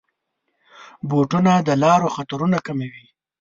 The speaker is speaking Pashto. بوټونه د لارو خطرونه کموي.